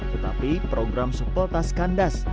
tetapi program supletas kandas